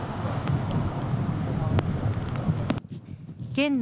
県内